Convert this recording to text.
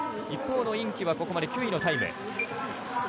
一方の殷きはここまで９位のタイム。